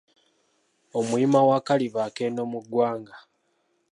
Omuyima wa Akalibaakendo mu ggwanga